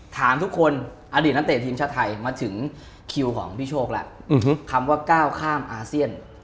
ถามทุกคนอดีตนักเตะทีมชาติไทยมาถึงคิวของพี่โชคแล้วคำว่าก้าวข้ามอาเซียน